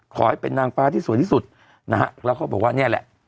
ขอให้เป็นนางฟ้าที่สวยที่สุดนะฮะแล้วก็บอกว่าเนี่ยแหละ